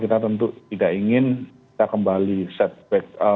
kita tentu tidak ingin kita kembali setback